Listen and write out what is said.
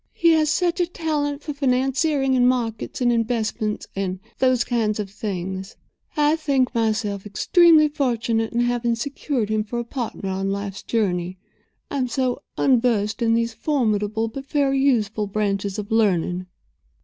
He has such a talent for financiering and markets and investments and those kind of things. I think myself extremely fortunate in having secured him for a partner on life's journey—I am so unversed in those formidable but very useful branches of learning."